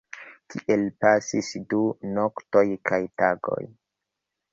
Tiel pasis du noktoj kaj tagoj.